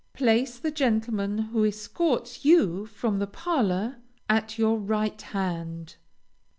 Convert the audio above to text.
Place the gentleman who escorts you from the parlor at your right hand.